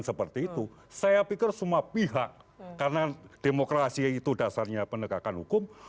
saya pikir semua pihak karena demokrasi itu dasarnya penegakan hukum